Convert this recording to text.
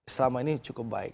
selama ini cukup baik